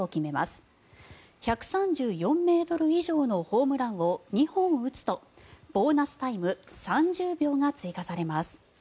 １３４ｍ以上のホームランを２本打つとボーナスタイム３０秒が追加されます。